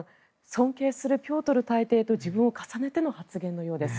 尊敬するピョートル大帝と自分を重ねての発言のようです。